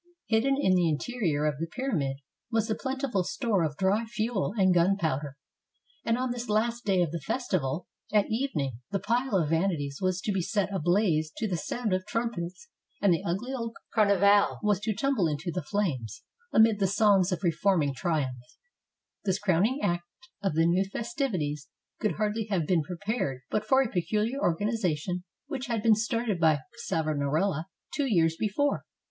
Hidden in the interior of the pyramid was a plentiful store of dry fuel and gunpowder; and on this last day of the festival, at evening, the pile of vanities was to be set ablaze to the sound of trum pets, and the ugly old Carnival was to tumble into the flames amid the songs of reforming triumph. This crowning act of the new festivities could hardly have been prepared but for a pecuHar organization which had been started by Savonarola two years before.